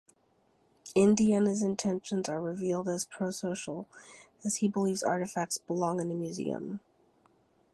Indiana's intentions are revealed as prosocial, as he believes artifacts belong in a museum.